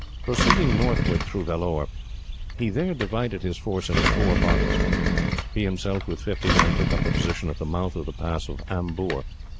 Proceeding northward through Vellore, he there divided his force into four bodies. He himself, with fifty men, took up a position at the mouth of the pass of Amboor.